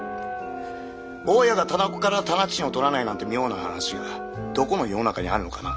大家が店子から店賃を取らないなんて妙な話がどこの世の中にあるのかな？